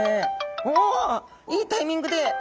おおいいタイミングで！